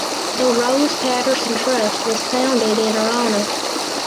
The Rose Paterson Trust was founded in her honour.